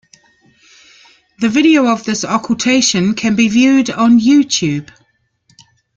The video of this occultation can be viewed on YouTube.